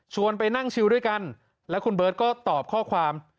ไปนั่งชิวด้วยกันแล้วคุณเบิร์ตก็ตอบข้อความ